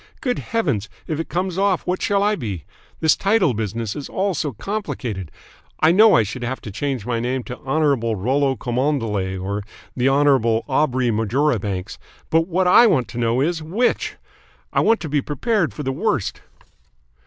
Good Heavens, if it comes off, what shall I be? This title business is all so complicated. I know I should have to change my name to Hon. Rollo Cholmondeley or the Hon. Aubrey Marjoribanks, but what I want to know is which? I want to be prepared for the worst."